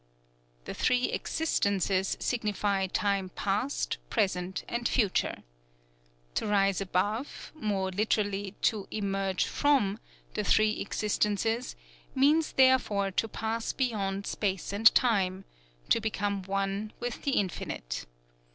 _" The Three Existences signify time past, present, and future. To rise above (more literally, to "emerge from") the Three Existences means therefore to pass beyond Space and Time, to become one with the Infinite.